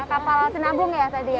kapal sinabung ya tadi ya